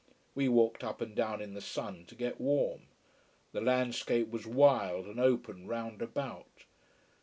We walked up and down in the sun to get warm. The landscape was wild and open round about.